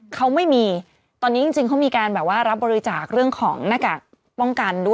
เขาไม่มีตอนนี้จริงเขามีการแบบว่ารับบริจาคเรื่องของหน้ากากป้องกันด้วย